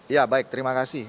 ya baik terima kasih